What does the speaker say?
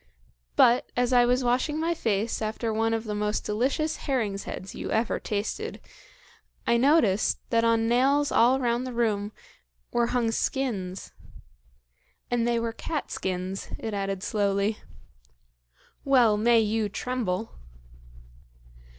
But, as I was washing my face after one of the most delicious herring's heads you ever tasted, I noticed that on nails all round the room were hung skins and they were cat skins," it added slowly. "Well may you tremble!"